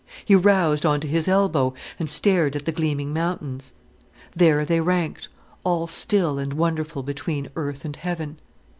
He roused on to his elbow and stared at the gleaming mountains. There they ranked, all still and wonderful between earth and heaven.